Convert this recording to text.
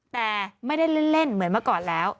แต่ไม่ได้เล่นเหมือนเมื่อก่อนแล้ว